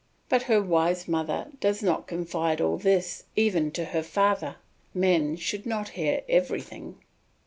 But her wise mother does not confide all this even to her father; men should not hear everything.